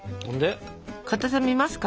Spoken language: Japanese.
かたさ見ますか？